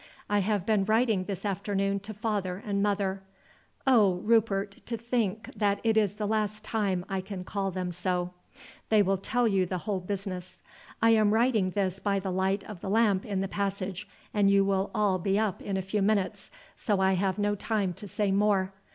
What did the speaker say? I have been writing this afternoon to father and mother. Oh! Rupert, to think that it is the last time I can call them so. They will tell you the whole business. I am writing this by the light of the lamp in the passage, and you will all be up in a few minutes, so I have no time to say more.